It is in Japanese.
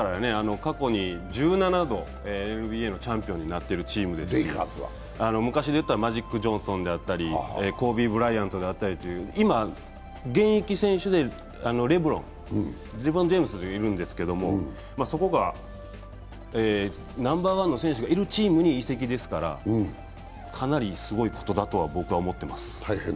過去に１７度、ＮＢＡのチャンピオンになっているチームですし、昔出たマジック・ジョンソンであったりコービー・ブライアントであったりとか、今、現役選手でレブロン・ジェームズがいるんですが、ナンバーワンの選手がいるチームに移籍ですから、かなりすごいことだと僕は思っています。